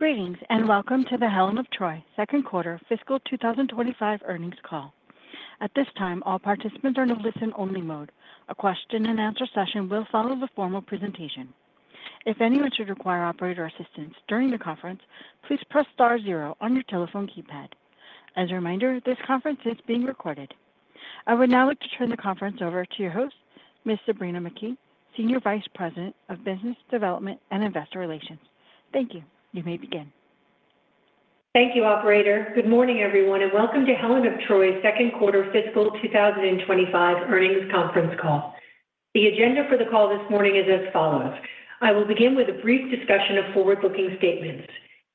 Greetings, and welcome to the Helen of Troy Second Quarter Fiscal 2025 Earnings Call. At this time, all participants are in a listen-only mode. A question and answer session will follow the formal presentation. If anyone should require operator assistance during the conference, please press star zero on your telephone keypad. As a reminder, this conference is being recorded. I would now like to turn the conference over to your host, Ms. Sabrina McKee, Senior Vice President of Business Development and Investor Relations. Thank you. You may begin. Thank you, operator. Good morning, everyone, and welcome to Helen of Troy Second Quarter Fiscal 2025 Earnings Conference Call. The agenda for the call this morning is as follows: I will begin with a brief discussion of forward-looking statements.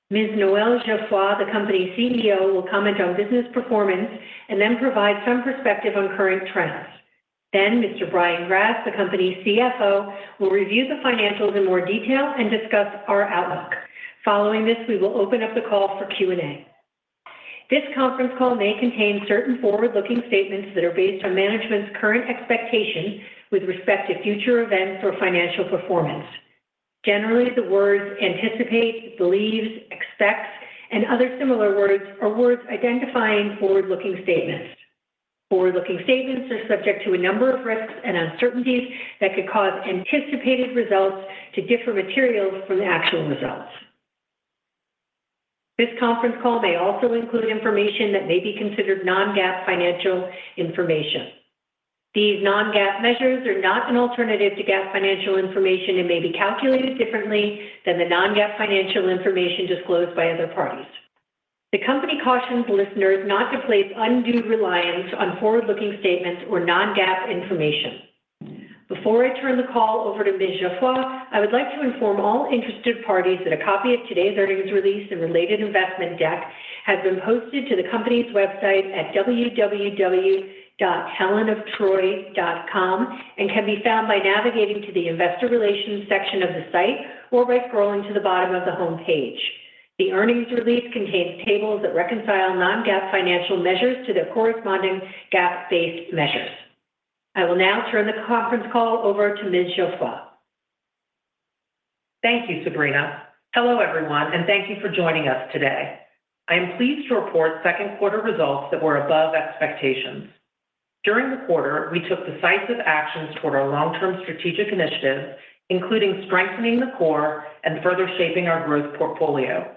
Ms. Noel Geoffroy, the company's CEO, will comment on business performance and then provide some perspective on current trends. Then Mr. Brian Grass, the company's CFO, will review the financials in more detail and discuss our outlook. Following this, we will open up the call for Q&A. This conference call may contain certain forward-looking statements that are based on management's current expectations with respect to future events or financial performance. Generally, the words anticipate, believes, expects, and other similar words are words identifying forward-looking statements. Forward-looking statements are subject to a number of risks and uncertainties that could cause anticipated results to differ materially from the actual results. This conference call may also include information that may be considered non-GAAP financial information. These non-GAAP measures are not an alternative to GAAP financial information and may be calculated differently than the non-GAAP financial information disclosed by other parties. The company cautions listeners not to place undue reliance on forward-looking statements or non-GAAP information. Before I turn the call over to Ms. Geoffroy, I would like to inform all interested parties that a copy of today's earnings release and related investment deck has been posted to the company's website at www.helenoftroy.com and can be found by navigating to the Investor Relations section of the site or by scrolling to the bottom of the homepage. The earnings release contains tables that reconcile non-GAAP financial measures to their corresponding GAAP-based measures. I will now turn the conference call over to Ms. Geoffroy. Thank you, Sabrina. Hello, everyone, and thank you for joining us today. I am pleased to report second quarter results that were above expectations. During the quarter, we took decisive actions toward our long-term strategic initiatives, including strengthening the core and further shaping our growth portfolio.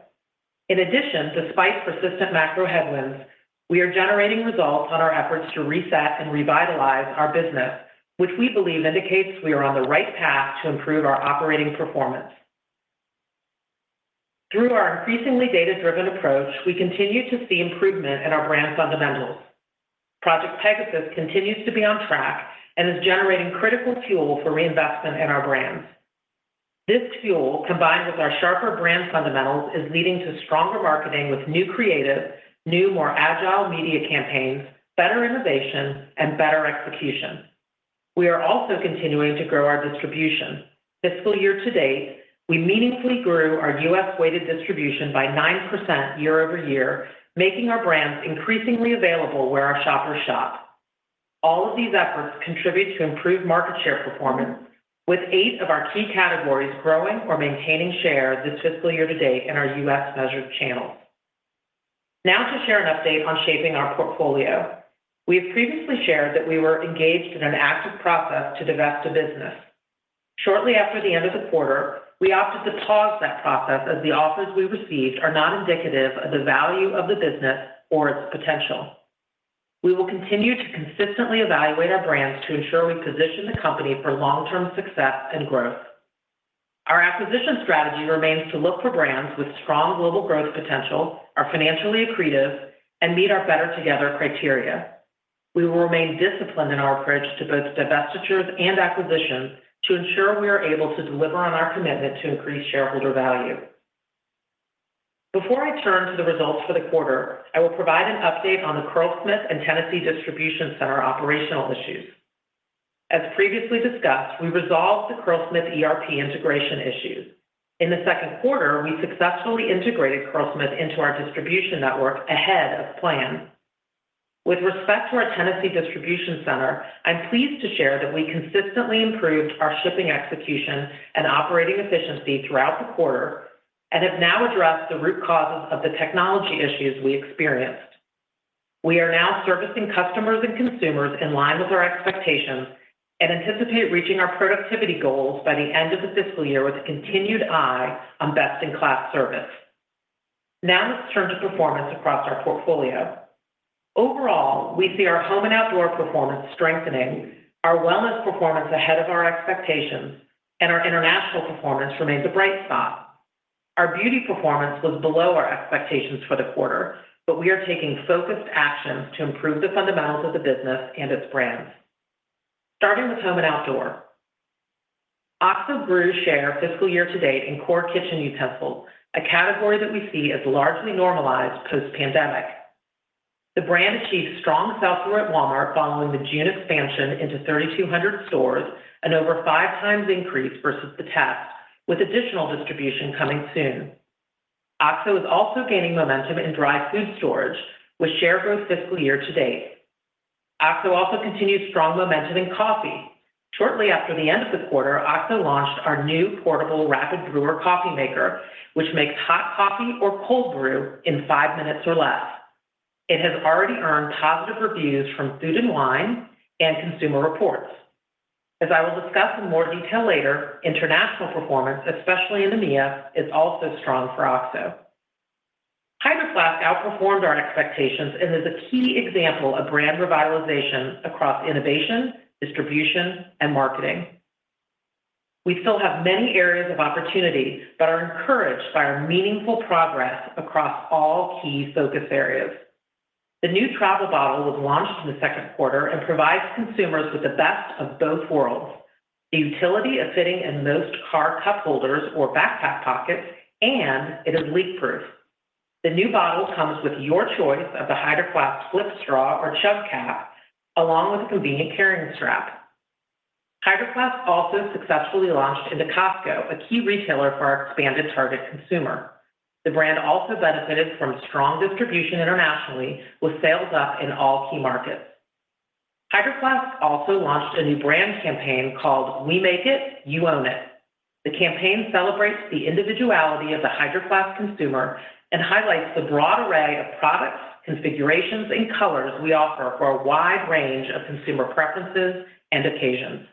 In addition, despite persistent macro headwinds, we are generating results on our efforts to reset and revitalize our business, which we believe indicates we are on the right path to improve our operating performance. Through our increasingly data-driven approach, we continue to see improvement in our brand fundamentals. Project Pegasus continues to be on track and is generating critical fuel for reinvestment in our brands. This fuel, combined with our sharper brand fundamentals, is leading to stronger marketing with new creative, new, more agile media campaigns, better innovation and better execution. We are also continuing to grow our distribution. Fiscal year to date, we meaningfully grew our U.S. weighted distribution by 9% year-over-year, making our brands increasingly available where our shoppers shop. All of these efforts contribute to improved market share performance, with eight of our key categories growing or maintaining share this fiscal year to date in our U.S. measured channels. Now to share an update on shaping our portfolio. We have previously shared that we were engaged in an active process to divest a business. Shortly after the end of the quarter, we opted to pause that process as the offers we received are not indicative of the value of the business or its potential. We will continue to consistently evaluate our brands to ensure we position the company for long-term success and growth. Our acquisition strategy remains to look for brands with strong global growth potential, are financially accretive, and meet our better together criteria. We will remain disciplined in our approach to both divestitures and acquisitions to ensure we are able to deliver on our commitment to increase shareholder value. Before I turn to the results for the quarter, I will provide an update on the Curlsmith and Tennessee Distribution Center operational issues. As previously discussed, we resolved the Curlsmith ERP integration issues. In the second quarter, we successfully integrated Curlsmith into our distribution network ahead of plan. With respect to our Tennessee Distribution Center, I'm pleased to share that we consistently improved our shipping execution and operating efficiency throughout the quarter and have now addressed the root causes of the technology issues we experienced. We are now servicing customers and consumers in line with our expectations and anticipate reaching our productivity goals by the end of the fiscal year with a continued eye on best-in-class service. Now, let's turn to performance across our portfolio. Overall, we see our home and outdoor performance strengthening, our wellness performance ahead of our expectations, and our international performance remains a bright spot. Our beauty performance was below our expectations for the quarter, but we are taking focused actions to improve the fundamentals of the business and its brands. Starting with home and outdoor. OXO grew share fiscal year to date in core kitchen utensils, a category that we see as largely normalized post-pandemic. The brand achieved strong sell-through at Walmart following the June expansion into 3200 stores and over five times increase versus the test, with additional distribution coming soon. OXO is also gaining momentum in dry food storage, with share growth fiscal year to date. OXO also continued strong momentum in coffee. Shortly after the end of the quarter, OXO launched our new portable Rapid Brewer coffee maker, which makes hot coffee or cold brew in five minutes or less. It has already earned positive reviews from Food & Wine and Consumer Reports. As I will discuss in more detail later, international performance, especially in EMEA, is also strong for OXO. Hydro Flask outperformed our expectations and is a key example of brand revitalization across innovation, distribution, and marketing. We still have many areas of opportunity, but are encouraged by our meaningful progress across all key focus areas. The new travel bottle was launched in the second quarter and provides consumers with the best of both worlds. The utility of fitting in most car cup holders or backpack pockets, and it is leak-proof. The new bottle comes with your choice of the Hydro Flask Flip Straw or Chug Cap, along with a convenient carrying strap. Hydro Flask also successfully launched into Costco, a key retailer for our expanded target consumer. The brand also benefited from strong distribution internationally, with sales up in all key markets. Hydro Flask also launched a new brand campaign called We Make It, You Own It. The campaign celebrates the individuality of the Hydro Flask consumer and highlights the broad array of products, configurations, and colors we offer for a wide range of consumer preferences and occasions.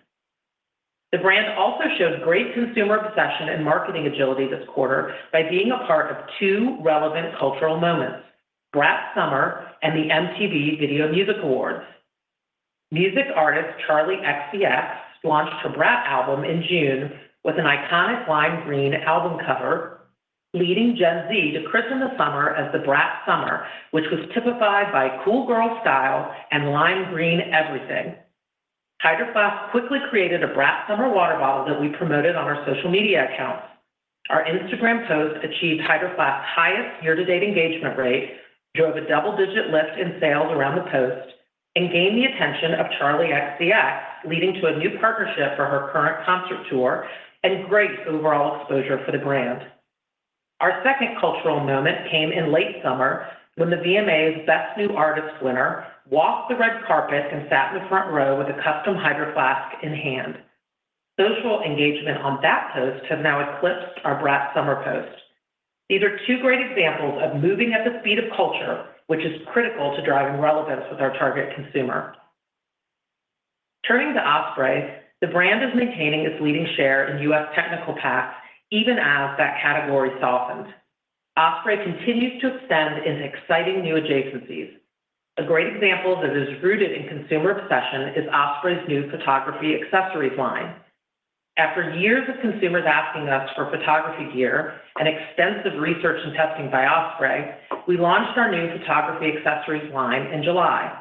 The brand also showed great consumer obsession and marketing agility this quarter by being a part of two relevant cultural moments, Brat Summer and the MTV Video Music Awards. Music artist Charli XCX launched her Brat album in June with an iconic lime green album cover, leading Gen Z to christen the summer as the Brat Summer, which was typified by cool girl style and lime green everything. Hydro Flask quickly created a Brat Summer water bottle that we promoted on our social media accounts. Our Instagram post achieved Hydro Flask's highest year-to-date engagement rate, drove a double-digit lift in sales around the post, and gained the attention of Charli XCX, leading to a new partnership for her current concert tour and great overall exposure for the brand. Our second cultural moment came in late summer when the VMAs Best New Artist winner walked the red carpet and sat in the front row with a custom Hydro Flask in hand. Social engagement on that post has now eclipsed our Brat Summer post. These are two great examples of moving at the speed of culture, which is critical to driving relevance with our target consumer. Turning to Osprey, the brand is maintaining its leading share in U.S. technical packs, even as that category softened. Osprey continues to extend in exciting new adjacencies. A great example that is rooted in consumer obsession is Osprey's new photography accessories line. After years of consumers asking us for photography gear and extensive research and testing by Osprey, we launched our new photography accessories line in July.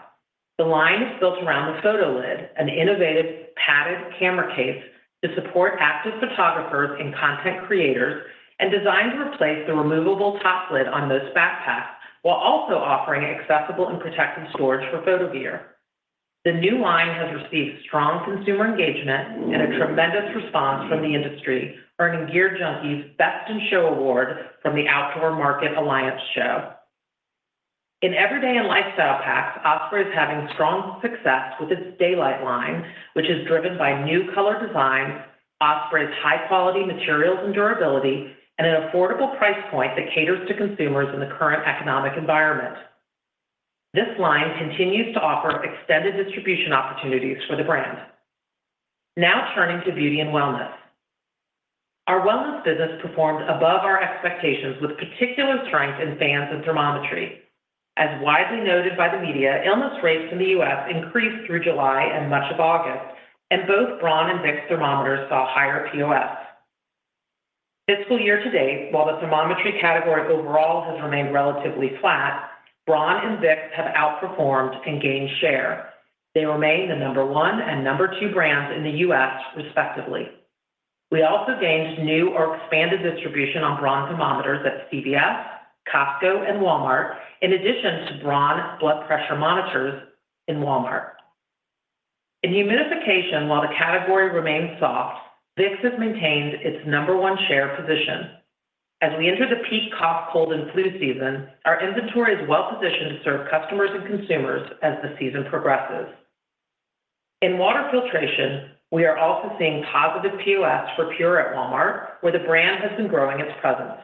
The line is built around the PhotoLid, an innovative padded camera case to support active photographers and content creators, and designed to replace the removable top lid on most backpacks, while also offering accessible and protective storage for photo gear. The new line has received strong consumer engagement and a tremendous response from the industry, earning GearJunkie's Best in Show award from the Outdoor Market Alliance Show. In everyday and lifestyle packs, Osprey is having strong success with its Daylite line, which is driven by new color design, Osprey's high-quality materials and durability, and an affordable price point that caters to consumers in the current economic environment. This line continues to offer extended distribution opportunities for the brand. Now turning to beauty and wellness. Our wellness business performed above our expectations, with particular strength in brands and thermometry. As widely noted by the media, illness rates in the U.S. increased through July and much of August, and both Braun and Vicks thermometers saw higher POS. Fiscal year to date, while the thermometry category overall has remained relatively flat, Braun and Vicks have outperformed and gained share. They remain the number one and number two brands in the U.S., respectively. We also gained new or expanded distribution on Braun thermometers at CVS, Costco, and Walmart, in addition to Braun blood pressure monitors in Walmart. In humidification, while the category remains soft, Vicks has maintained its number one share position. As we enter the peak cough, cold, and flu season, our inventory is well positioned to serve customers and consumers as the season progresses. In water filtration, we are also seeing positive POS for PUR at Walmart, where the brand has been growing its presence.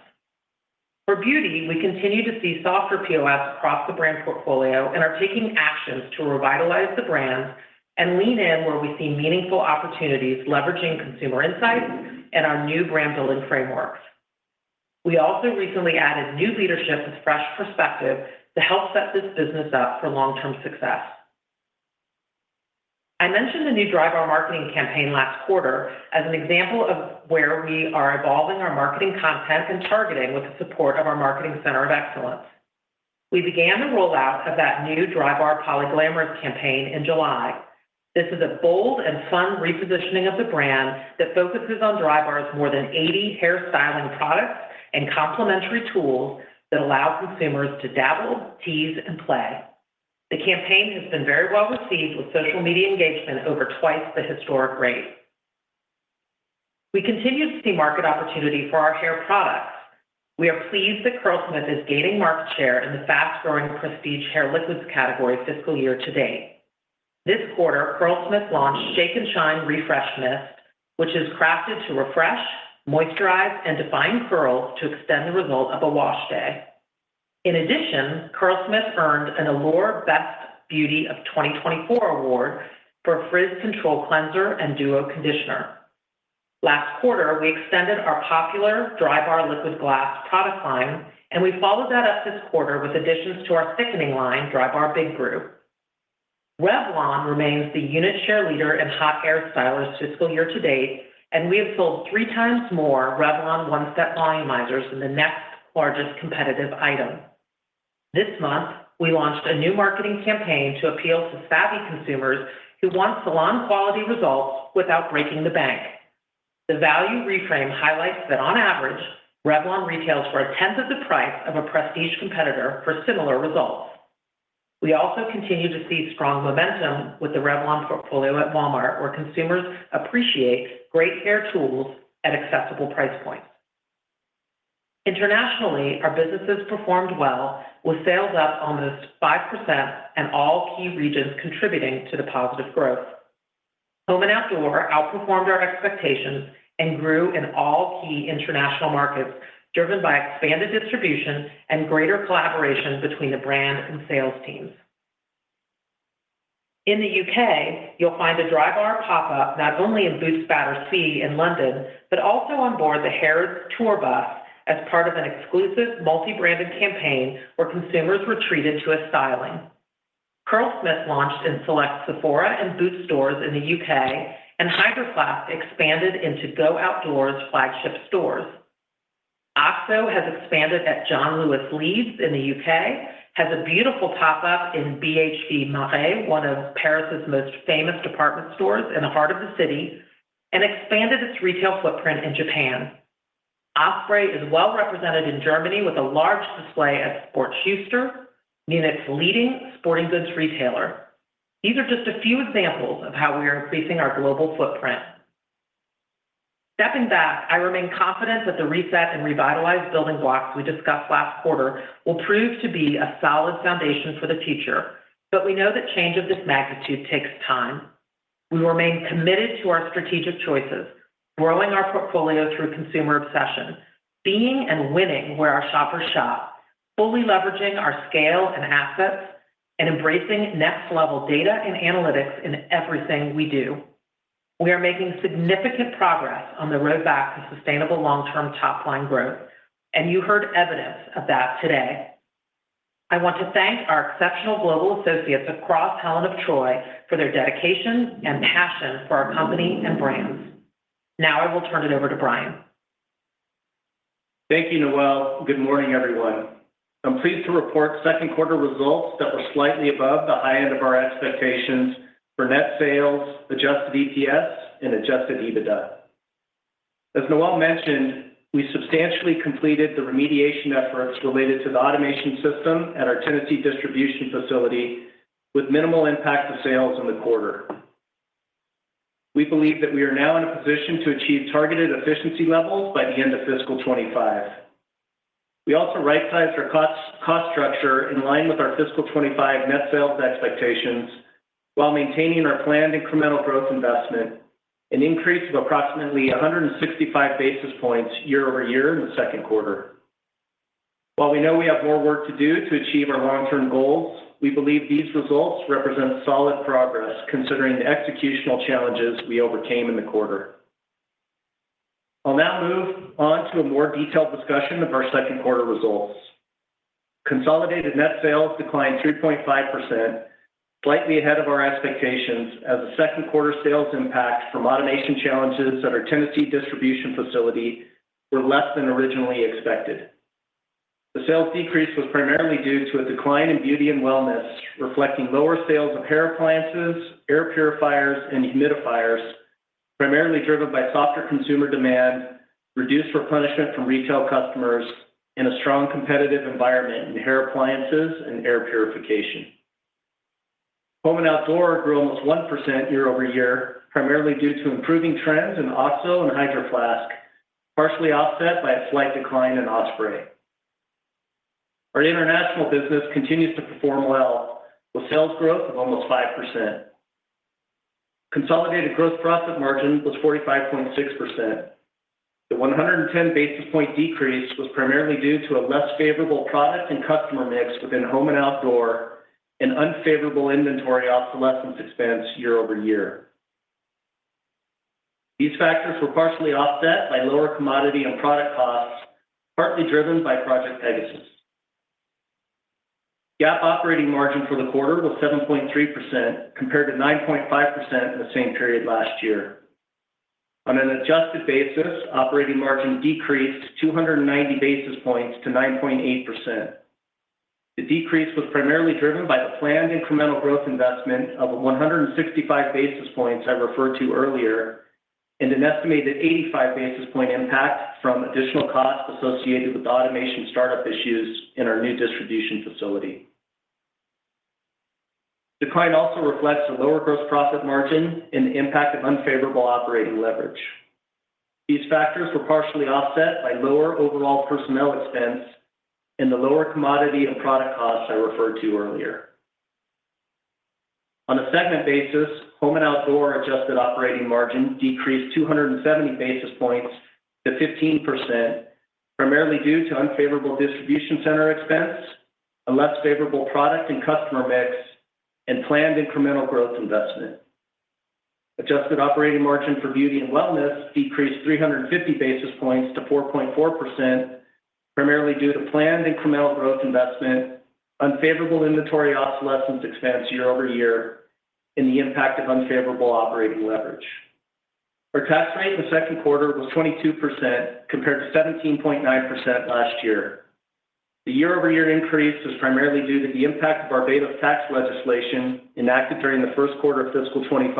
For beauty, we continue to see softer POS across the brand portfolio and are taking actions to revitalize the brand and lean in where we see meaningful opportunities, leveraging consumer insights and our new brand building frameworks. We also recently added new leadership with fresh perspective to help set this business up for long-term success. I mentioned the new Drybar marketing campaign last quarter as an example of where we are evolving our marketing content and targeting with the support of our marketing center of excellence. We began the rollout of that new Drybar Polyglamorous campaign in July. This is a bold and fun repositioning of the brand that focuses on Drybar's more than eighty hairstyling products and complementary tools that allow consumers to dabble, tease, and play. The campaign has been very well received, with social media engagement over twice the historic rate.... We continue to see market opportunity for our hair products. We are pleased that Curlsmith is gaining market share in the fast-growing prestige hair liquids category fiscal year to date. This quarter, Curlsmith launched Shake and Shine Refresh Mist, which is crafted to refresh, moisturize, and define curls to extend the result of a wash day. In addition, Curlsmith earned an Allure Best of Beauty 2024 award for Frizz Control Cleanser and Duo Conditioner. Last quarter, we extended our popular Drybar Liquid Glass product line, and we followed that up this quarter with additions to our thickening line, Drybar Big Hair. Revlon remains the unit share leader in hot air stylers fiscal year to date, and we have sold three times more Revlon One-Step Volumizers than the next largest competitive item. This month, we launched a new marketing campaign to appeal to savvy consumers who want salon quality results without breaking the bank. The value reframe highlights that on average, Revlon retails for a tenth of the price of a prestige competitor for similar results. We also continue to see strong momentum with the Revlon portfolio at Walmart, where consumers appreciate great hair tools at accessible price points. Internationally, our businesses performed well, with sales up almost 5% and all key regions contributing to the positive growth. Home and Outdoor outperformed our expectations and grew in all key international markets, driven by expanded distribution and greater collaboration between the brand and sales teams. In the U.K., you'll find a Drybar pop-up not only in Boots Battersea in London, but also on board the Harrods tour bus as part of an exclusive multi-branded campaign where consumers were treated to a styling. Curlsmith launched in select Sephora and Boots stores in the U.K., and Hydro Flask expanded into Go Outdoors flagship stores. OXO has expanded at John Lewis Leeds in the U.K., has a beautiful pop-up in BHV Marais, one of Paris's most famous department stores in the heart of the city, and expanded its retail footprint in Japan. Osprey is well represented in Germany with a large display at Sporthaus Schuster, Munich's leading sporting goods retailer. These are just a few examples of how we are increasing our global footprint. Stepping back, I remain confident that the reset and revitalized building blocks we discussed last quarter will prove to be a solid foundation for the future, but we know that change of this magnitude takes time. We remain committed to our strategic choices, growing our portfolio through consumer obsession, being and winning where our shoppers shop, fully leveraging our scale and assets, and embracing next-level data and analytics in everything we do. We are making significant progress on the road back to sustainable long-term top-line growth, and you heard evidence of that today. I want to thank our exceptional global associates across Helen of Troy for their dedication and passion for our company and brands. Now, I will turn it over to Brian. Thank you, Noelle. Good morning, everyone. I'm pleased to report second quarter results that were slightly above the high end of our expectations for net sales, adjusted EPS, and adjusted EBITDA. As Noelle mentioned, we substantially completed the remediation efforts related to the automation system at our Tennessee distribution facility with minimal impact to sales in the quarter. We believe that we are now in a position to achieve targeted efficiency levels by the end of fiscal 2025. We also right-sized our costs, cost structure in line with our fiscal 2025 net sales expectations while maintaining our planned incremental growth investment, an increase of approximately 165 basis points year-over-year in the second quarter. While we know we have more work to do to achieve our long-term goals, we believe these results represent solid progress, considering the executional challenges we overcame in the quarter. I'll now move on to a more detailed discussion of our second quarter results. Consolidated net sales declined 2.5%, slightly ahead of our expectations, as the second quarter sales impact from automation challenges at our Tennessee distribution facility were less than originally expected. The sales decrease was primarily due to a decline in beauty and wellness, reflecting lower sales of hair appliances, air purifiers, and humidifiers, primarily driven by softer consumer demand, reduced replenishment from retail customers, and a strong competitive environment in hair appliances and air purification. Home and Outdoor grew almost 1% year-over-year, primarily due to improving trends in OXO and Hydro Flask, partially offset by a slight decline in Osprey. Our international business continues to perform well, with sales growth of almost 5%. Consolidated gross profit margin was 45.6%. The 110 basis point decrease was primarily due to a less favorable product and customer mix within home and outdoor and unfavorable inventory obsolescence expense year-over-year. These factors were partially offset by lower commodity and product costs, partly driven by Project Pegasus. GAAP operating margin for the quarter was 7.3%, compared to 9.5% in the same period last year. On an adjusted basis, operating margin decreased 290 basis points to 9.8%. The decrease was primarily driven by the planned incremental growth investment of 165 basis points I referred to earlier, and an estimated 85 basis point impact from additional costs associated with automation startup issues in our new distribution facility. The decline also reflects a lower gross profit margin and the impact of unfavorable operating leverage. These factors were partially offset by lower overall personnel expense and the lower commodity and product costs I referred to earlier. On a segment basis, home and outdoor adjusted operating margin decreased 270 points to 15%, primarily due to unfavorable distribution center expense, a less favorable product and customer mix, and planned incremental growth investment. Adjusted operating margin for beauty and wellness decreased 350 basis points to 4.4%, primarily due to planned incremental growth investment, unfavorable inventory obsolescence expense year-over-year, and the impact of unfavorable operating leverage. Our tax rate in the second quarter was 22%, compared to 17.9% last year. The year-over-year increase was primarily due to the impact of Barbados tax legislation enacted during the first quarter of fiscal 2025,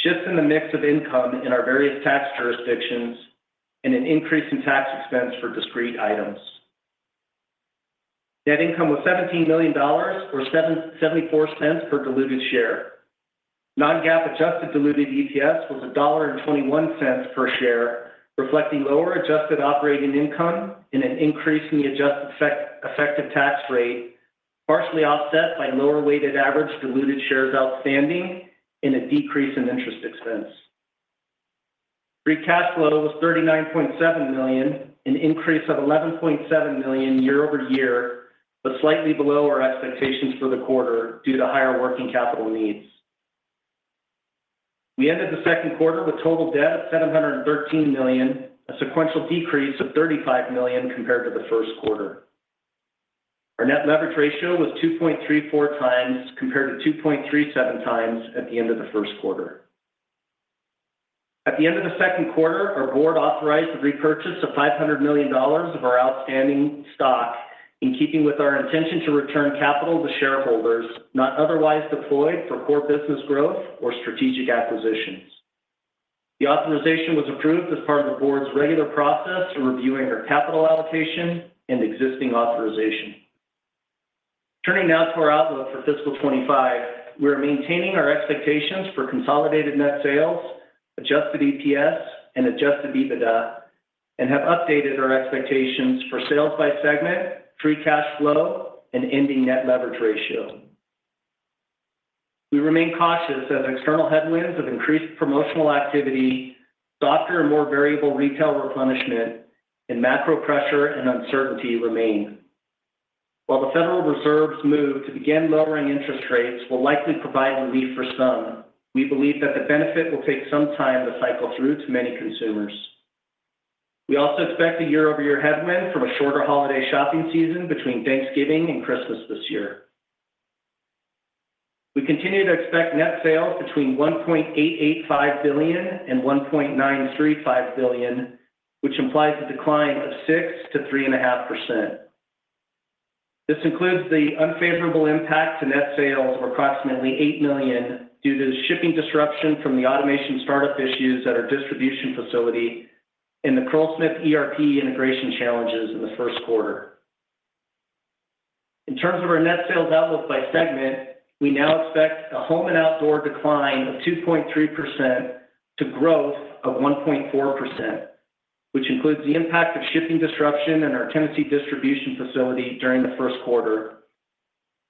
shifts in the mix of income in our various tax jurisdictions, and an increase in tax expense for discrete items. Net income was $17 million, or $0.74 per diluted share. Non-GAAP adjusted diluted EPS was $1.21 per share, reflecting lower adjusted operating income and an increase in the adjusted effective tax rate, partially offset by lower weighted average diluted shares outstanding and a decrease in interest expense. Free cash flow was $39.7 million, an increase of $11.7 million year-over-year, but slightly below our expectations for the quarter due to higher working capital needs. We ended the second quarter with total debt of $713 million, a sequential decrease of $35 million compared to the first quarter. Our Net Leverage Ratio was 2.34 times, compared to 2.37 times at the end of the first quarter. At the end of the second quarter, our board authorized the repurchase of $500 million of our outstanding stock, in keeping with our intention to return capital to shareholders, not otherwise deployed for core business growth or strategic acquisitions. The authorization was approved as part of the board's regular process in reviewing our capital allocation and existing authorization. Turning now to our outlook for fiscal 2025, we are maintaining our expectations for consolidated net sales, Adjusted EPS, and Adjusted EBITDA, and have updated our expectations for sales by segment, Free Cash Flow, and ending Net Leverage Ratio. We remain cautious as external headwinds of increased promotional activity, softer and more variable retail replenishment, and macro pressure and uncertainty remain. While the Federal Reserve's move to begin lowering interest rates will likely provide relief for some, we believe that the benefit will take some time to cycle through to many consumers. We also expect a year-over-year headwind from a shorter holiday shopping season between Thanksgiving and Christmas this year. We continue to expect net sales between $1.885 billion and $1.935 billion, which implies a decline of 6%-3.5%. This includes the unfavorable impact to net sales of approximately $8 million due to shipping disruption from the automation startup issues at our distribution facility and the Curlsmith ERP integration challenges in the first quarter. In terms of our net sales outlook by segment, we now expect a home and outdoor decline of 2.3% to growth of 1.4%, which includes the impact of shipping disruption in our Tennessee distribution facility during the first quarter,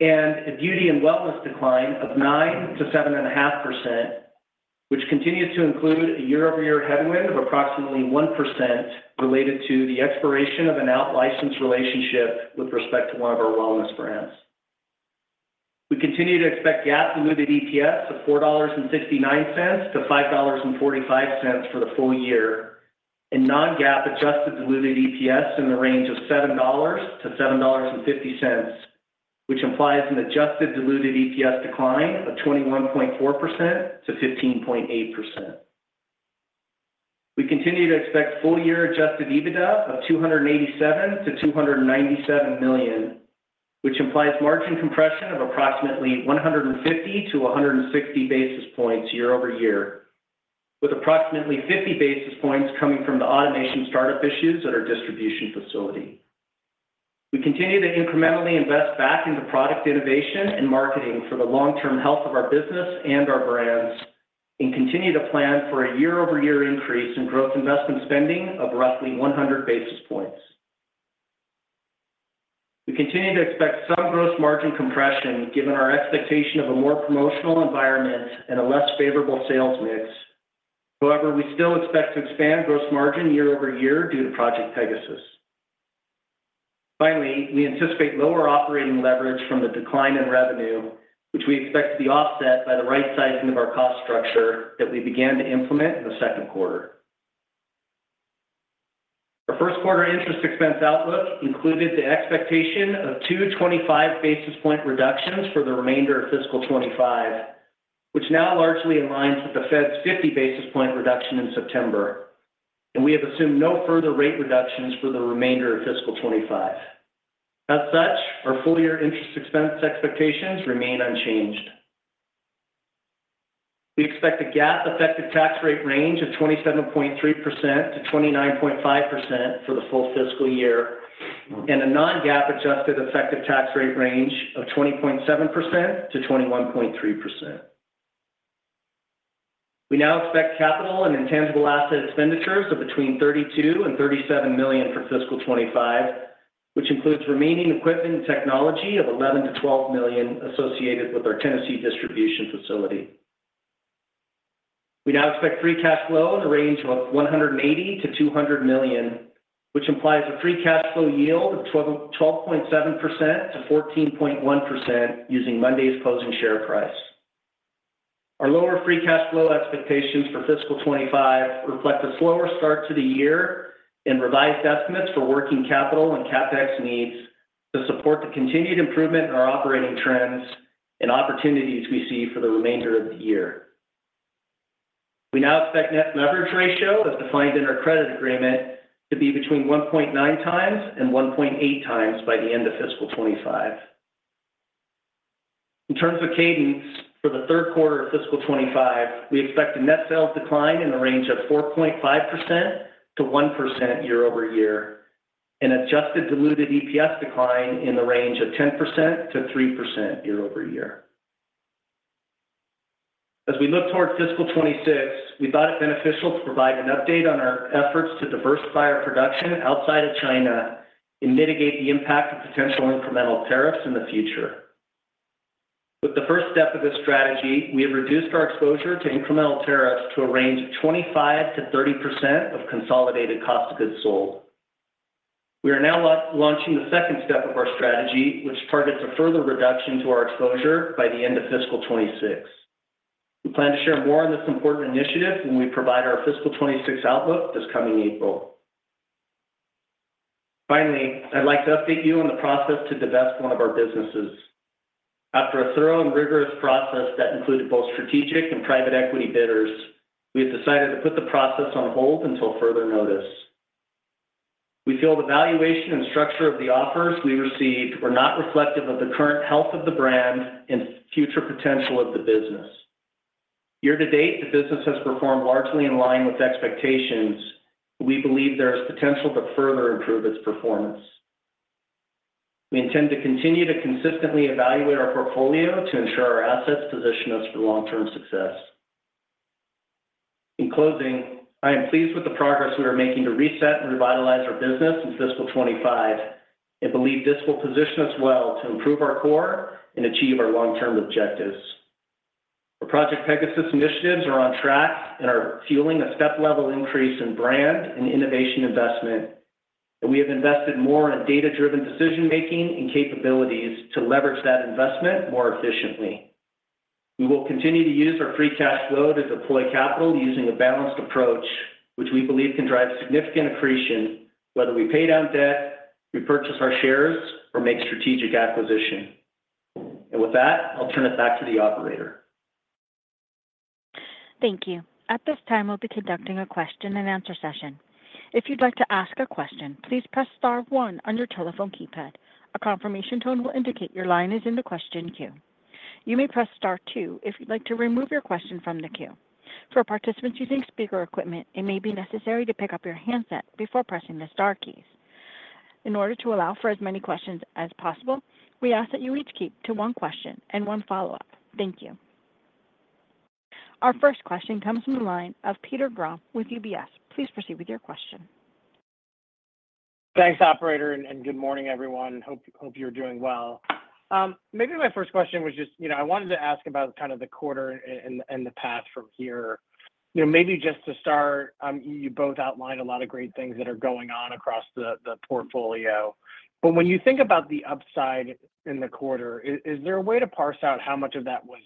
and a beauty and wellness decline of 9%-7.5%, which continues to include a year-over-year headwind of approximately 1% related to the expiration of an out-license relationship with respect to one of our wellness brands. We continue to expect GAAP diluted EPS of $4.69-$5.45 for the full year, and non-GAAP adjusted diluted EPS in the range of $7-$7.50, which implies an adjusted diluted EPS decline of 21.4%-15.8%. We continue to expect full-year Adjusted EBITDA of $287 million-$297 million, which implies margin compression of approximately 150-160 basis points year-over-year, with approximately 50 basis points coming from the automation startup issues at our distribution facility. We continue to incrementally invest back into product innovation and marketing for the long-term health of our business and our brands, and continue to plan for a year-over-year increase in growth investment spending of roughly 100 basis points. We continue to expect some gross margin compression, given our expectation of a more promotional environment and a less favorable sales mix. However, we still expect to expand gross margin year-over-year due to Project Pegasus. Finally, we anticipate lower operating leverage from the decline in revenue, which we expect to be offset by the right sizing of our cost structure that we began to implement in the second quarter. Our first quarter interest expense outlook included the expectation of 225-basis-point reductions for the remainder of fiscal 2025, which now largely aligns with the Fed's 50-basis-point reduction in September, and we have assumed no further rate reductions for the remainder of fiscal 2025. As such, our full-year interest expense expectations remain unchanged. We expect a GAAP effective tax rate range of 27.3%-29.5% for the full fiscal year, and a non-GAAP adjusted effective tax rate range of 20.7%-21.3%. We now expect capital and intangible asset expenditures of between $32 million and $37 million for fiscal 2025, which includes remaining equipment and technology of $11 million to $12 million associated with our Tennessee distribution facility. We now expect free cash flow in the range of $180 million to $200 million, which implies a free cash flow yield of 12%-12.7% to 14.1% using Monday's closing share price. Our lower free cash flow expectations for fiscal 2025 reflect a slower start to the year and revised estimates for working capital and CapEx needs to support the continued improvement in our operating trends and opportunities we see for the remainder of the year. We now expect net leverage ratio, as defined in our credit agreement, to be between 1.9 times and 1.8 times by the end of fiscal 2025. In terms of cadence for the third quarter of fiscal 2025, we expect a net sales decline in the range of 4.5%-1% year-over-year, an Adjusted Diluted EPS decline in the range of 10% to 3% year-over-year. As we look toward fiscal 2026, we thought it beneficial to provide an update on our efforts to diversify our production outside of China and mitigate the impact of potential incremental tariffs in the future. With the first step of this strategy, we have reduced our exposure to incremental tariffs to a range of 25%-30% of consolidated cost of goods sold. We are now launching the second step of our strategy, which targets a further reduction to our exposure by the end of fiscal 2026. We plan to share more on this important initiative when we provide our fiscal 2026 outlook this coming April. Finally, I'd like to update you on the process to divest one of our businesses. After a thorough and rigorous process that included both strategic and private equity bidders, we have decided to put the process on hold until further notice. We feel the valuation and structure of the offers we received were not reflective of the current health of the brand and future potential of the business. Year to date, the business has performed largely in line with expectations. We believe there is potential to further improve its performance. We intend to continue to consistently evaluate our portfolio to ensure our assets position us for long-term success. In closing, I am pleased with the progress we are making to reset and revitalize our business in fiscal 2025 and believe this will position us well to improve our core and achieve our long-term objectives. Our Project Pegasus initiatives are on track and are fueling a step-level increase in brand and innovation investment, and we have invested more in data-driven decision-making and capabilities to leverage that investment more efficiently. We will continue to use our free cash flow to deploy capital using a balanced approach, which we believe can drive significant accretion, whether we pay down debt, repurchase our shares, or make strategic acquisition. And with that, I'll turn it back to the operator. Thank you. At this time, we'll be conducting a question and answer session. If you'd like to ask a question, please press star one on your telephone keypad. A confirmation tone will indicate your line is in the question queue. You may press star two if you'd like to remove your question from the queue. For participants using speaker equipment, it may be necessary to pick up your handset before pressing the star keys. In order to allow for as many questions as possible, we ask that you each keep to one question and one follow-up. Thank you. Our first question comes from the line of Peter Grom with UBS. Please proceed with your question. Thanks, operator, and good morning, everyone. Hope you're doing well. Maybe my first question was just, you know, I wanted to ask about kind of the quarter and the path from here. You know, maybe just to start, you both outlined a lot of great things that are going on across the portfolio. But when you think about the upside in the quarter, is there a way to parse out how much of that was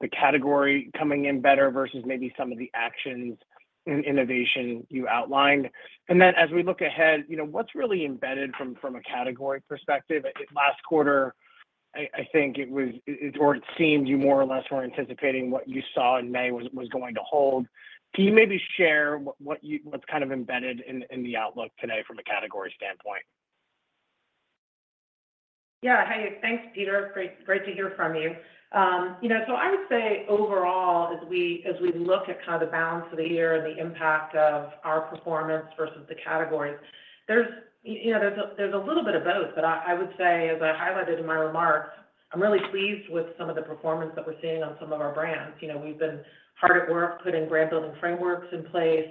the category coming in better versus maybe some of the actions and innovation you outlined? And then, as we look ahead, you know, what's really embedded from a category perspective? Last quarter, I think it was... Or it seemed you more or less were anticipating what you saw in May was going to hold. Can you maybe share what's kind of embedded in the outlook today from a category standpoint? Yeah. Hey, thanks, Peter. Great, great to hear from you. You know, so I would say overall, as we look at kind of the balance of the year and the impact of our performance versus the categories, there's, you know, a little bit of both, but I would say, as I highlighted in my remarks, I'm really pleased with some of the performance that we're seeing on some of our brands. You know, we've been hard at work, putting brand building frameworks in place,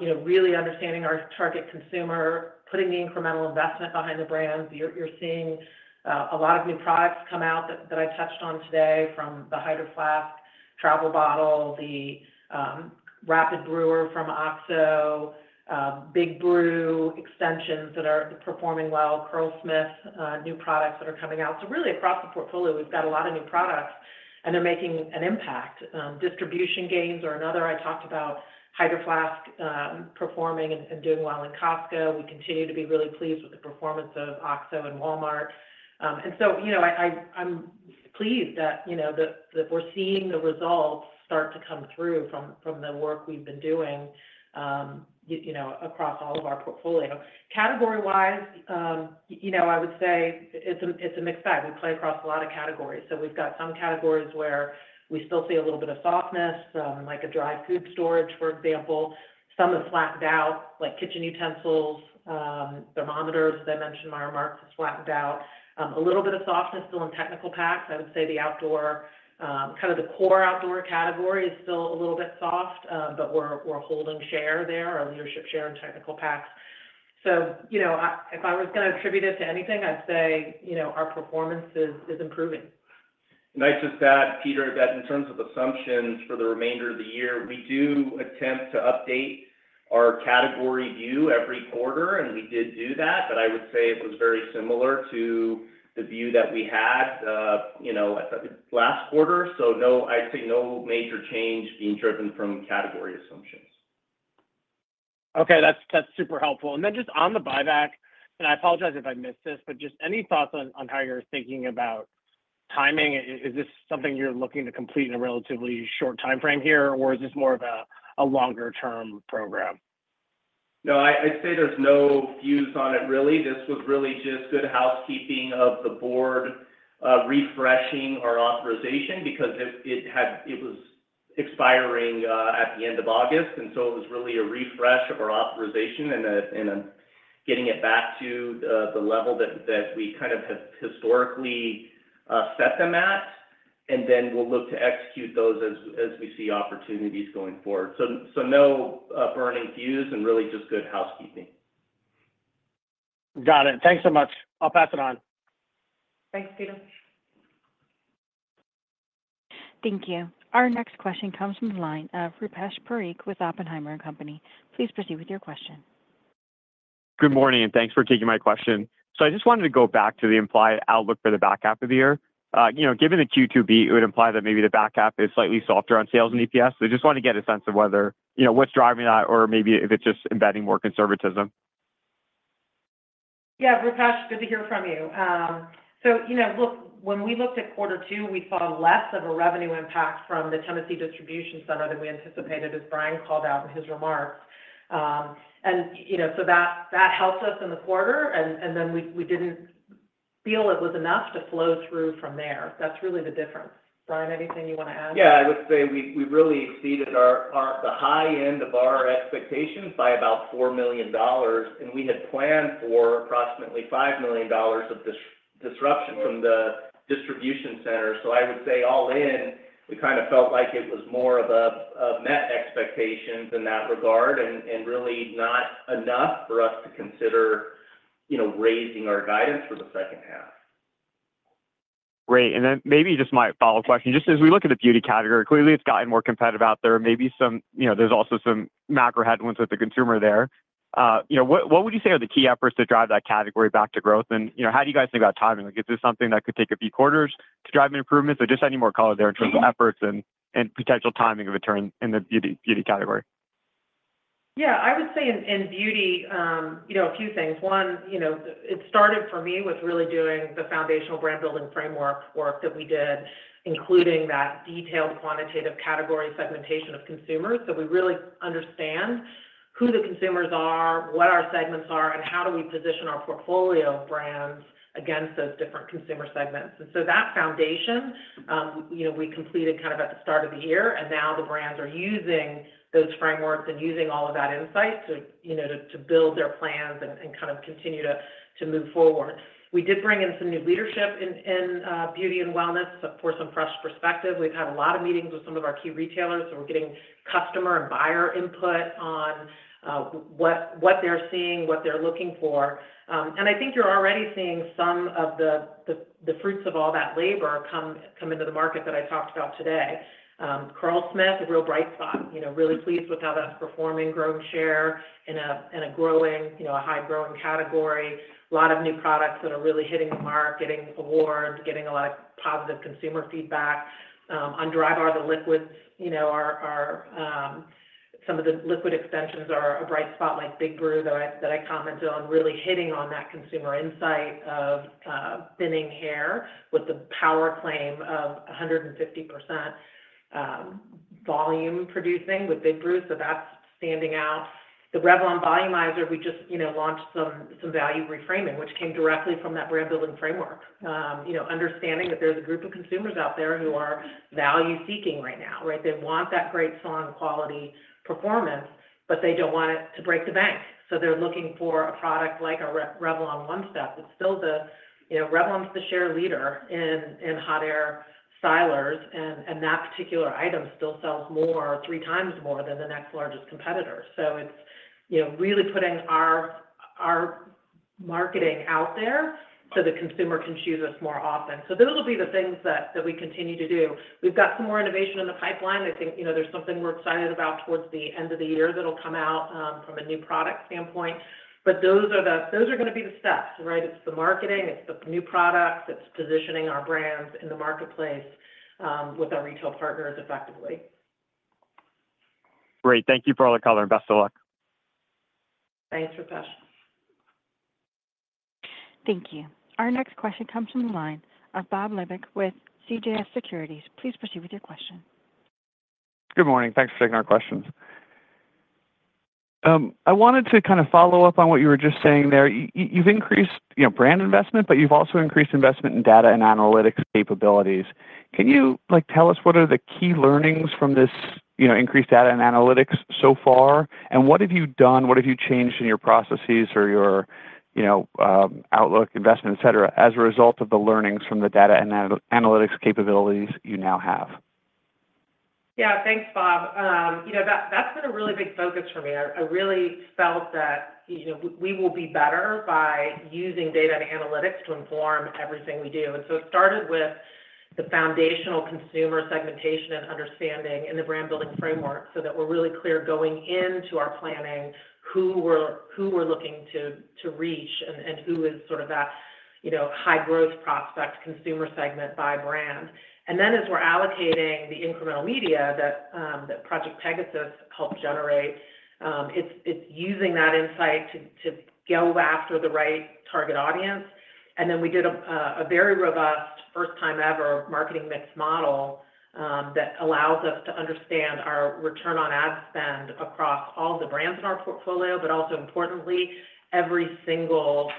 you know, really understanding our target consumer, putting the incremental investment behind the brands. You're, you're seeing a lot of new products come out that, that I touched on today, from the Hydro Flask Travel Bottle, the OXO Rapid Brewer, Big Brew extensions that are performing well, Curlsmith new products that are coming out. So really, across the portfolio, we've got a lot of new products, and they're making an impact. Distribution gains are another. I talked about Hydro Flask performing and doing well in Costco. We continue to be really pleased with the performance of OXO and Walmart. And so, you know, I'm pleased that, you know, that we're seeing the results start to come through from the work we've been doing, you know, across all of our portfolio. Category-wise, you know, I would say it's a mixed bag. We play across a lot of categories. So we've got some categories where we still see a little bit of softness, like a dry food storage, for example. Some have flattened out, like kitchen utensils, thermometers, as I mentioned in my remarks, have flattened out. A little bit of softness still in technical packs. I would say the outdoor, kind of the core outdoor category is still a little bit soft, but we're holding share there, our leadership share in technical packs. So, you know, if I was gonna attribute it to anything, I'd say, you know, our performance is improving. I'd just add, Peter, that in terms of assumptions for the remainder of the year, we do attempt to update our category view every quarter, and we did do that, but I would say it was very similar to the view that we had, you know, at the last quarter. I'd say no major change being driven from category assumptions. Okay. That's super helpful. And then just on the buyback, and I apologize if I missed this, but just any thoughts on how you're thinking about timing? Is this something you're looking to complete in a relatively short timeframe here, or is this more of a longer-term program? No, I'd say there's no views on it, really. This was really just good housekeeping of the board, refreshing our authorization because it had. It was expiring at the end of August, and so it was really a refresh of our authorization and getting it back to the level that we kind of have historically set them at, and then we'll look to execute those as we see opportunities going forward. So, no burning views and really just good housekeeping. Got it. Thanks so much. I'll pass it on. Thanks, Peter. Thank you. Our next question comes from the line of Rupesh Parikh with Oppenheimer & Co. Please proceed with your question. Good morning, and thanks for taking my question. So I just wanted to go back to the implied outlook for the back half of the year. You know, given the Q2 beat, it would imply that maybe the back half is slightly softer on sales and EPS. So just want to get a sense of whether, you know, what's driving that or maybe if it's just embedding more conservatism. Yeah, Rupesh, good to hear from you. So you know, look, when we looked at quarter two, we saw less of a revenue impact from the Tennessee distribution center than we anticipated, as Brian called out in his remarks. And, you know, so that helped us in the quarter, and then we didn't feel it was enough to flow through from there. That's really the difference. Brian, anything you want to add? Yeah, I would say we really exceeded our the high end of our expectations by about $4 million, and we had planned for approximately $5 million of disruption from the distribution center. So I would say all in, we kind of felt like it was more of a met expectations in that regard, and really not enough for us to consider, you know, raising our guidance for the second half. Great. And then maybe just my follow-up question: Just as we look at the beauty category, clearly, it's gotten more competitive out there. Maybe some... You know, there's also some macro headwinds with the consumer there. You know, what would you say are the key efforts to drive that category back to growth? And, you know, how do you guys think about timing? Like, is this something that could take a few quarters to drive any improvements? So just any more color there in terms of efforts and potential timing of a turn in the beauty category. Yeah. I would say in beauty, you know, a few things. One, you know, it started for me with really doing the foundational brand building framework work that we did, including that detailed quantitative category segmentation of consumers. So we really understand who the consumers are, what our segments are, and how do we position our portfolio of brands against those different consumer segments. And so that foundation, you know, we completed kind of at the start of the year, and now the brands are using those frameworks and using all of that insight to, you know, to build their plans and kind of continue to move forward. We did bring in some new leadership in beauty and wellness for some fresh perspective. We've had a lot of meetings with some of our key retailers, so we're getting customer and buyer input on what they're seeing, what they're looking for, and I think you're already seeing some of the fruits of all that labor come into the market that I talked about today. Curlsmith, a real bright spot, you know, really pleased with how that's performing, growing share in a growing, you know, a high-growing category. A lot of new products that are really hitting the mark, getting awards, getting a lot of positive consumer feedback. On Drybar, the liquids, you know, are... Some of the liquid extensions are a bright spot, like Big Brew, that I, that I commented on, really hitting on that consumer insight of thinning hair with the power claim of 150% volume producing with Big Brew. So that's standing out. The Revlon Volumizer, we just, you know, launched some value reframing, which came directly from that brand building framework. You know, understanding that there's a group of consumers out there who are value seeking right now, right? They want that great salon quality performance, but they don't want it to break the bank. So they're looking for a product like our Revlon One Step. It's still the... You know, Revlon's the share leader in hot air stylers, and that particular item still sells more, three times more than the next largest competitor. So it's, you know, really putting our marketing out there so the consumer can choose us more often. So those will be the things that we continue to do. We've got some more innovation in the pipeline. I think, you know, there's something we're excited about towards the end of the year that'll come out, from a new product standpoint. But those are gonna be the steps, right? It's the marketing, it's the new products, it's positioning our brands in the marketplace, with our retail partners effectively. Great. Thank you for all the color, and best of luck. Thanks, Rupesh. Thank you. Our next question comes from the line of Bob Labick with CJS Securities. Please proceed with your question. Good morning. Thanks for taking our questions. I wanted to kind of follow up on what you were just saying there. You've increased, you know, brand investment, but you've also increased investment in data and analytics capabilities. Can you, like, tell us what are the key learnings from this, you know, increased data and analytics so far? And what have you done, what have you changed in your processes or your, you know, outlook, investment, et cetera, as a result of the learnings from the data and analytics capabilities you now have? Yeah, thanks, Bob. You know, that, that's been a really big focus for me. I really felt that, you know, we will be better by using data and analytics to inform everything we do. And so it started with the foundational consumer segmentation and understanding and the brand building framework, so that we're really clear going into our planning, who we're looking to reach, and who is sort of that, you know, high growth prospect consumer segment by brand. And then, as we're allocating the incremental media that Project Pegasus helped generate, it's using that insight to go after the right target audience. And then, we did a very robust first-time ever marketing mix model that allows us to understand our return on ad spend across all the brands in our portfolio, but also importantly, every single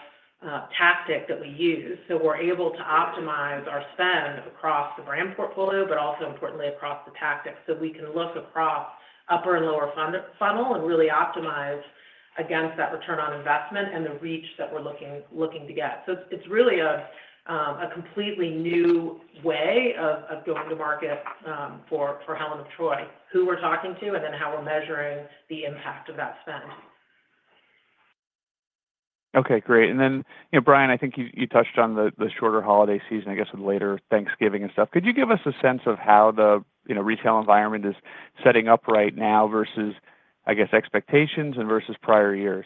tactic that we use. So we're able to optimize our spend across the brand portfolio, but also importantly, across the tactics. So we can look across upper and lower funnel and really optimize against that return on investment and the reach that we're looking to get. So it's really a completely new way of going to market for Helen of Troy, who we're talking to, and then how we're measuring the impact of that spend. Okay, great. And then, you know, Brian, I think you touched on the shorter holiday season, I guess, with later Thanksgiving and stuff. Could you give us a sense of how the, you know, retail environment is setting up right now versus, I guess, expectations and versus prior years?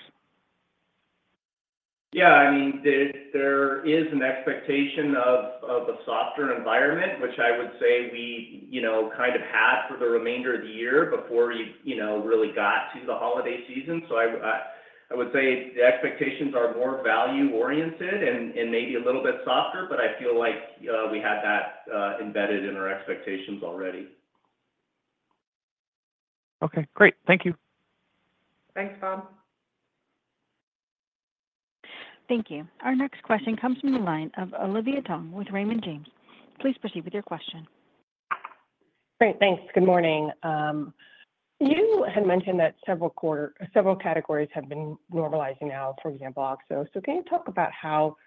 Yeah, I mean, there is an expectation of a softer environment, which I would say we, you know, kind of had for the remainder of the year before we, you know, really got to the holiday season. So I would say the expectations are more value-oriented and maybe a little bit softer, but I feel like we had that embedded in our expectations already. Okay, great. Thank you. Thanks, Bob. Thank you. Our next question comes from the line of Olivia Tong with Raymond James. Please proceed with your question. Great. Thanks. Good morning. You had mentioned that several categories have been normalizing now, for example, OXO. So can you talk about how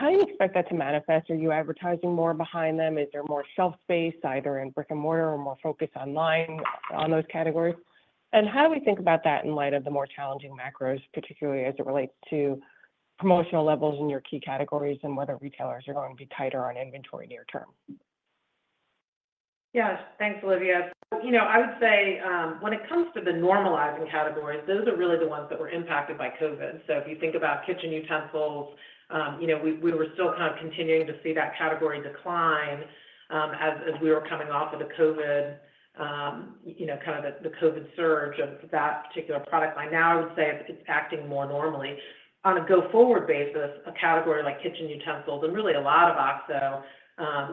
you expect that to manifest? Are you advertising more behind them? Is there more shelf space, either in brick-and-mortar or more focused online on those categories? And how do we think about that in light of the more challenging macros, particularly as it relates to promotional levels in your key categories, and whether retailers are going to be tighter on inventory near term? Yeah. Thanks, Olivia. You know, I would say, when it comes to the normalizing categories, those are really the ones that were impacted by COVID. So if you think about kitchen utensils, you know, we were still kind of continuing to see that category decline, as we were coming off of the COVID, you know, kind of the COVID surge of that particular product line. Now, I would say it's acting more normally. On a go-forward basis, a category like kitchen utensils, and really a lot of OXO,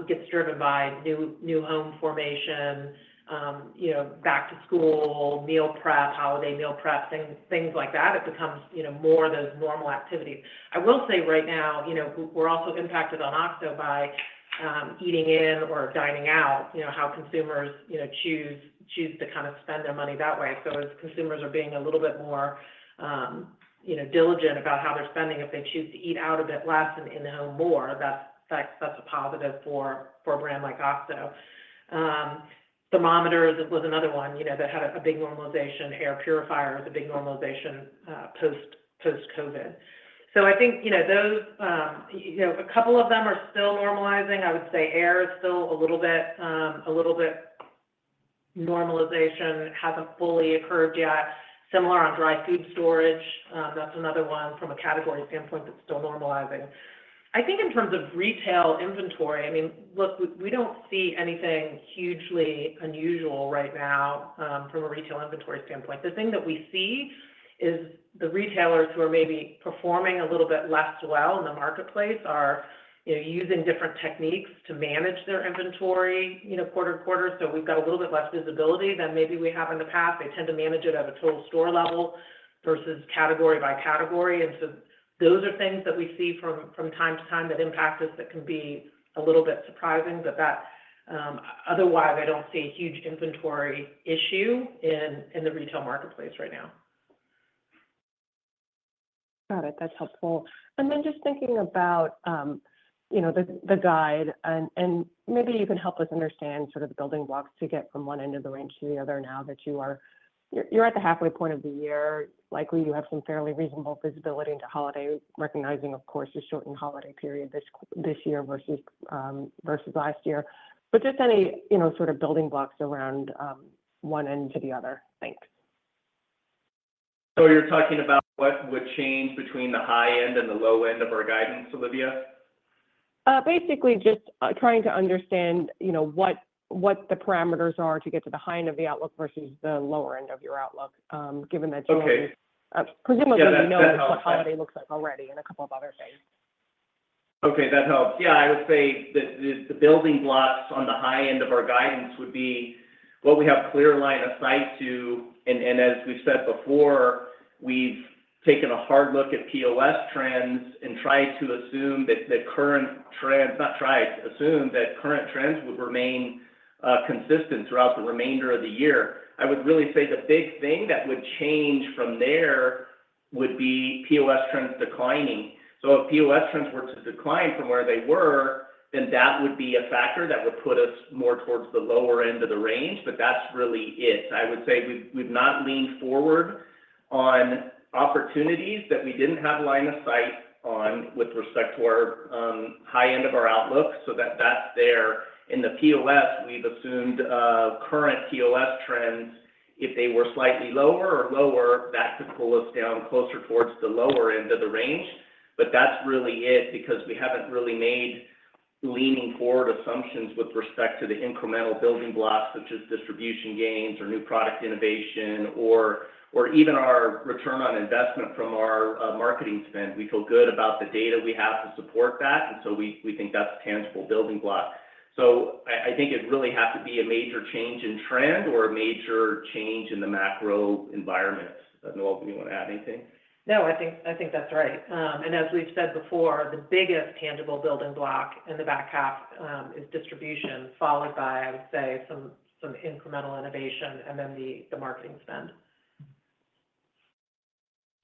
gets driven by new home formation, you know, back to school, meal prep, holiday meal prep, things like that, it becomes, you know, more of those normal activities. I will say right now, you know, we're also impacted on OXO by eating in or dining out, you know, how consumers, you know, choose to kind of spend their money that way. So as consumers are being a little bit more, you know, diligent about how they're spending, if they choose to eat out a bit less and in the home more, that's a positive for a brand like OXO. Thermometers was another one, you know, that had a big normalization. Air purifiers, a big normalization, post-COVID. So I think, you know, those, you know, a couple of them are still normalizing. I would say air is still a little bit, a little bit. Normalization hasn't fully occurred yet. Similar on dry food storage, that's another one from a category standpoint that's still normalizing. I think in terms of retail inventory, I mean, look, we don't see anything hugely unusual right now, from a retail inventory standpoint. The thing that we see is the retailers who are maybe performing a little bit less well in the marketplace are, you know, using different techniques to manage their inventory, you know, quarter to quarter. So we've got a little bit less visibility than maybe we have in the past. They tend to manage it at a total store level versus category by category. And so those are things that we see from time to time that impact us, that can be a little bit surprising, but that... Otherwise, I don't see a huge inventory issue in the retail marketplace right now. Got it. That's helpful. And then just thinking about, you know, the guide, and maybe you can help us understand sort of the building blocks to get from one end of the range to the other now that you're at the halfway point of the year. Likely, you have some fairly reasonable visibility into holiday, recognizing, of course, the shortened holiday period this year versus last year. But just any, you know, sort of building blocks around one end to the other. Thanks.... So you're talking about what would change between the high end and the low end of our guidance, Olivia? Basically, just trying to understand, you know, what the parameters are to get to the high end of the outlook versus the lower end of your outlook, given that you- Okay. Presumably, you know what the holiday looks like already and a couple of other things. Okay, that helps. Yeah, I would say that the building blocks on the high end of our guidance would be what we have clear line of sight to, and as we've said before, we've taken a hard look at POS trends and tried to assume that the current trends, not tried, assume that current trends would remain consistent throughout the remainder of the year. I would really say the big thing that would change from there would be POS trends declining. So if POS trends were to decline from where they were, then that would be a factor that would put us more towards the lower end of the range, but that's really it. I would say we've not leaned forward on opportunities that we didn't have line of sight on with respect to our high end of our outlook, so that that's there. In the POS, we've assumed current POS trends. If they were slightly lower or lower, that could pull us down closer towards the lower end of the range. But that's really it, because we haven't really made leaning forward assumptions with respect to the incremental building blocks, such as distribution gains, or new product innovation, or even our return on investment from our marketing spend. We feel good about the data we have to support that, and so we think that's a tangible building block. So I think it'd really have to be a major change in trend or a major change in the macro environment. Noel, do you want to add anything? No, I think that's right. And as we've said before, the biggest tangible building block in the back half is distribution, followed by, I would say, some incremental innovation and then the marketing spend.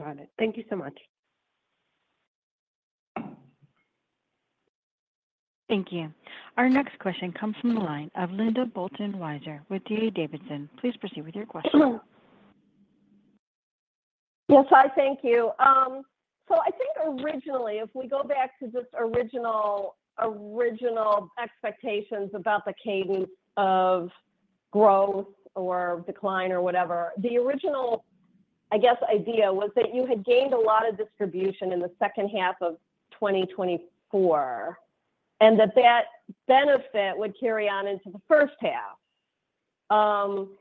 Got it. Thank you so much. Thank you. Our next question comes from the line of Linda Bolton Weiser with D.A. Davidson. Please proceed with your question. Yes, hi, thank you. So I think originally, if we go back to just original expectations about the cadence of growth or decline or whatever, the original, I guess, idea was that you had gained a lot of distribution in the second half of 2024, and that benefit would carry on into the first half.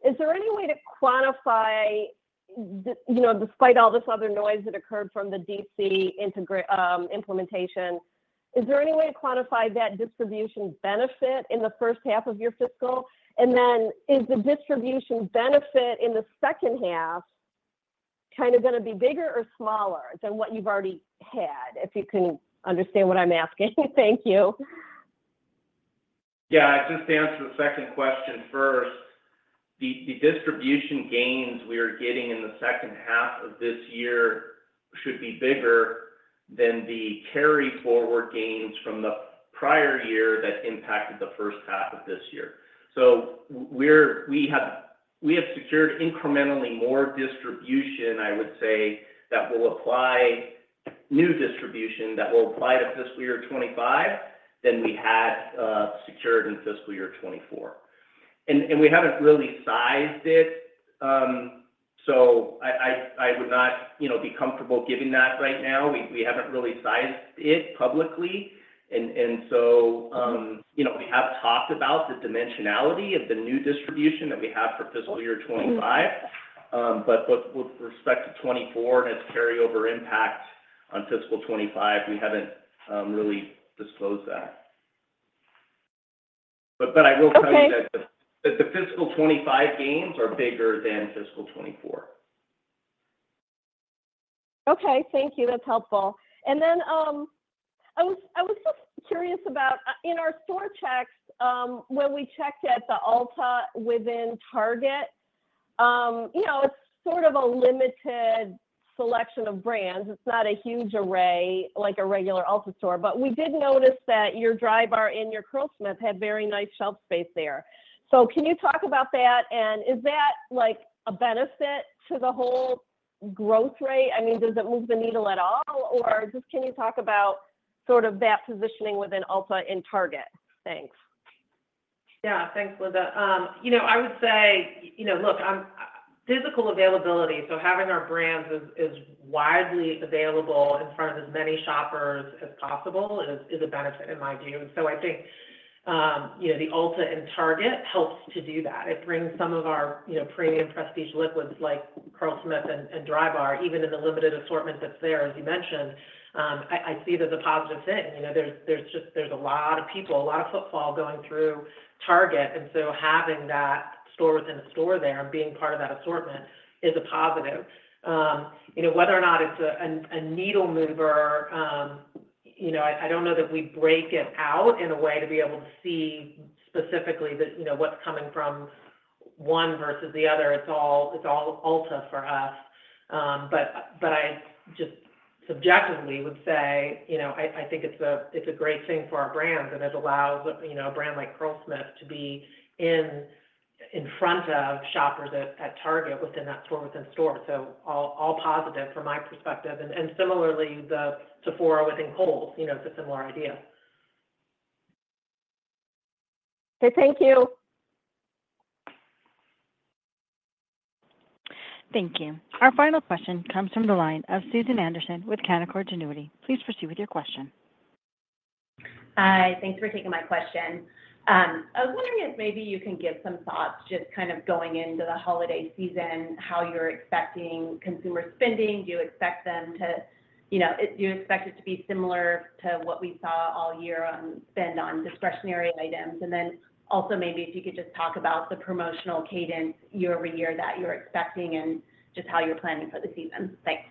Is there any way to quantify the, you know, despite all this other noise that occurred from the DC integration implementation, is there any way to quantify that distribution benefit in the first half of your fiscal? And then, is the distribution benefit in the second half kind of gonna be bigger or smaller than what you've already had? If you can understand what I'm asking. Thank you. Yeah, just to answer the second question first, the distribution gains we are getting in the second half of this year should be bigger than the carry forward gains from the prior year that impacted the first half of this year. So we have secured incrementally more distribution, I would say, that will apply, new distribution, that will apply to fiscal year 2025 than we had secured in fiscal year 2024. And we haven't really sized it, so I would not, you know, be comfortable giving that right now. We haven't really sized it publicly. And so, you know, we have talked about the dimensionality of the new distribution that we have for fiscal year 2025. But with respect to 2024 and its carryover impact on fiscal 2025, we haven't really disclosed that. But, I will tell you- Okay... that the fiscal 2025 gains are bigger than fiscal 2024. Okay. Thank you. That's helpful. And then, I was just curious about in our store checks, when we checked at the Ulta within Target, you know, it's sort of a limited selection of brands. It's not a huge array like a regular Ulta store, but we did notice that your Drybar and your Curlsmith had very nice shelf space there. So can you talk about that? And is that, like, a benefit to the whole growth rate? I mean, does it move the needle at all, or just can you talk about sort of that positioning within Ulta in Target? Thanks. Yeah. Thanks, Linda. You know, I would say, you know, look, physical availability, so having our brands as widely available in front of as many shoppers as possible is a benefit in my view. And so I think, you know, the Ulta in Target helps to do that. It brings some of our, you know, premium prestige liquids like Curlsmith and Drybar, even in the limited assortment that's there, as you mentioned. I see that's a positive thing. You know, there's just a lot of people, a lot of footfall going through Target, and so having that store within a store there and being part of that assortment is a positive. You know, whether or not it's a needle mover, you know, I don't know that we break it out in a way to be able to see specifically the, you know, what's coming from one versus the other. It's all Ulta for us. But I just subjectively would say, you know, I think it's a great thing for our brands, and it allows a brand like Curlsmith to be in front of shoppers at Target within that store within store. So all positive from my perspective. And similarly, the Sephora within Kohl's, you know, it's a similar idea. Okay, thank you! Thank you. Our final question comes from the line of Susan Anderson with Canaccord Genuity. Please proceed with your question. Hi, thanks for taking my question. I was wondering if maybe you can give some thoughts, just kind of going into the holiday season, how you're expecting consumer spending? Do you expect them to, you know... Do you expect it to be similar to what we saw all year on spend on discretionary items? And then also, maybe if you could just talk about the promotional cadence year-over-year that you're expecting, and just how you're planning for the season? Thanks.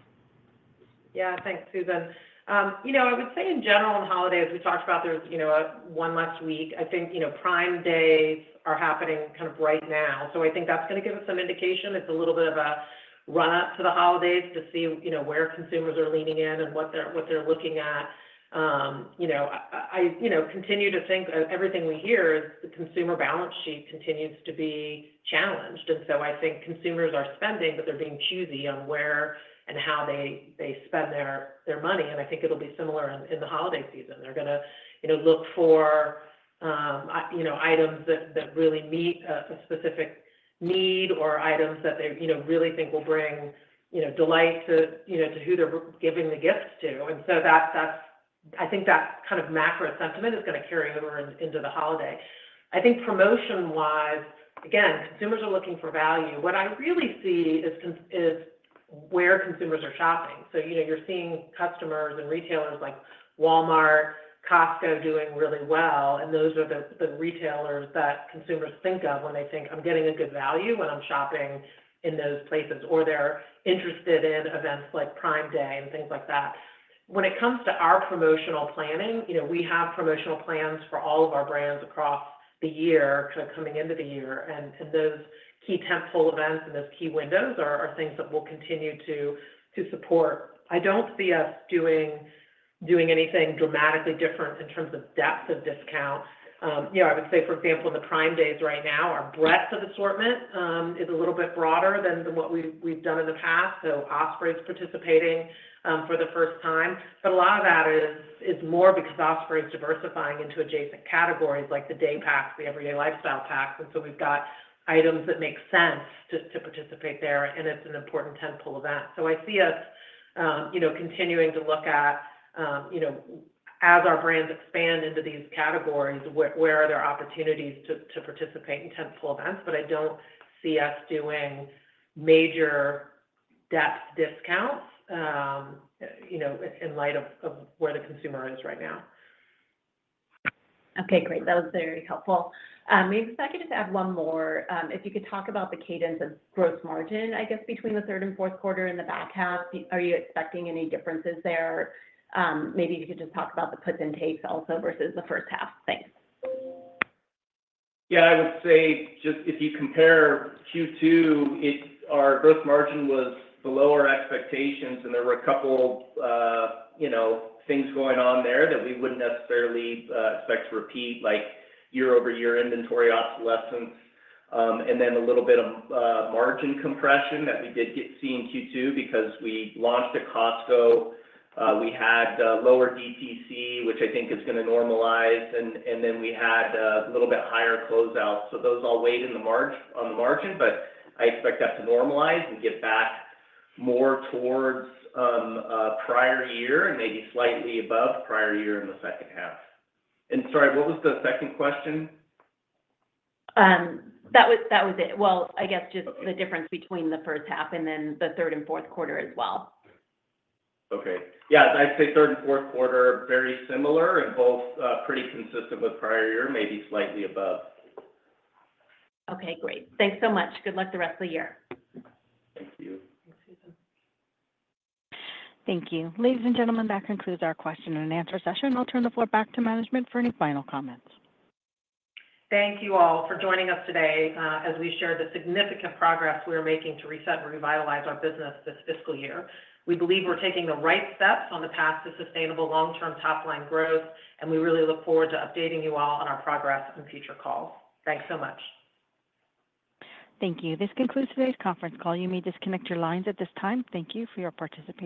Yeah. Thanks, Susan. You know, I would say in general, in holidays, we talked about there's, you know, one last week. I think, you know, Prime Days are happening kind of right now. So I think that's gonna give us some indication. It's a little bit of a run-up to the holidays to see, you know, where consumers are leaning in and what they're looking at. You know, I continue to think everything we hear is the consumer balance sheet continues to be challenged. And so I think consumers are spending, but they're being choosy on where and how they spend their money, and I think it'll be similar in the holiday season. They're gonna, you know, look for, you know, items that really meet a specific need or items that they, you know, really think will bring, you know, delight to, you know, to who they're giving the gifts to. And so that's, I think that's kind of macro sentiment is gonna carry over into the holiday. I think promotion-wise, again, consumers are looking for value. What I really see is where consumers are shopping. So, you know, you're seeing customers and retailers like Walmart, Costco, doing really well, and those are the retailers that consumers think of when they think, "I'm getting a good value when I'm shopping in those places," or they're interested in events like Prime Day and things like that. When it comes to our promotional planning, you know, we have promotional plans for all of our brands across the year, kind of coming into the year, and those key tentpole events and those key windows are things that we'll continue to support. I don't see us doing anything dramatically different in terms of depth of discount. You know, I would say, for example, in the Prime Days right now, our breadth of assortment is a little bit broader than what we've done in the past, so Osprey is participating for the first time. But a lot of that is more because Osprey is diversifying into adjacent categories like the Daylite, the everyday lifestyle pack, and so we've got items that make sense to participate there, and it's an important tentpole event. So I see us, you know, continuing to look at, you know, as our brands expand into these categories, where are there opportunities to participate in tentpole events, but I don't see us doing major deep discounts, you know, in light of where the consumer is right now. Okay, great. That was very helpful. Maybe if I could just add one more. If you could talk about the cadence of gross margin, I guess between the third and fourth quarter and the back half. Are you expecting any differences there? Maybe you could just talk about the puts and takes also versus the first half. Thanks. Yeah, I would say just if you compare Q2, our gross margin was below our expectations, and there were a couple, you know, things going on there that we wouldn't necessarily expect to repeat, like year-over-year inventory obsolescence, and then a little bit of margin compression that we did see in Q2 because we launched at Costco. We had lower DTC, which I think is gonna normalize, and then we had little bit higher closeout. So those all weighed on the margin, but I expect that to normalize and get back more towards prior year and maybe slightly above prior year in the second half. And sorry, what was the second question? That was it. Well, I guess just the difference between the first half and then the third and fourth quarter as well. Okay. Yeah, I'd say third and fourth quarter, very similar, and both, pretty consistent with prior year, maybe slightly above. Okay, great. Thanks so much. Good luck the rest of the year. Thank you. Thanks, Susan. Thank you. Ladies and gentlemen, that concludes our question-and-answer session. I'll turn the floor back to management for any final comments. Thank you all for joining us today, as we share the significant progress we are making to reset and revitalize our business this fiscal year. We believe we're taking the right steps on the path to sustainable long-term top-line growth, and we really look forward to updating you all on our progress in future calls. Thanks so much. Thank you. This concludes today's conference call. You may disconnect your lines at this time. Thank you for your participation.